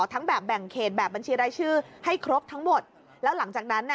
ทั้งแบบแบ่งเขตแบบบัญชีรายชื่อให้ครบทั้งหมดแล้วหลังจากนั้นน่ะ